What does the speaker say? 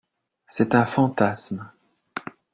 C’est un fantasme